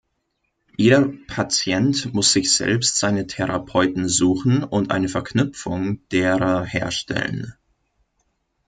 Jeder Patient muss sich selbst seine Therapeuten suchen und eine Verknüpfung derer herstellen.